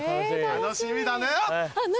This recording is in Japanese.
楽しみだね。